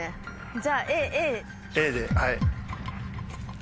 じゃあＡ。